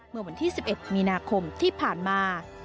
เมื่อวันที่๑๑มีนาคมที่ผ่านมา